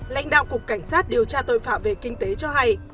lãnh đạo cục cảnh sát điều tra tội phạm về kinh tế cho hay